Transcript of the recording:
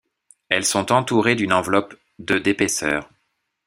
Elles sont entourées d'une enveloppe de d'épaisseur.